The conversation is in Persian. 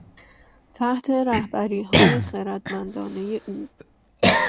تحت رهبریهای خردمندانهی او